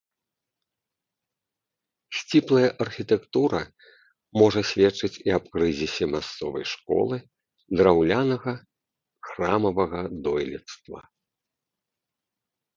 Сціплая архітэктура можа сведчыць і аб крызісе мясцовай школы драўлянага храмавага дойлідства.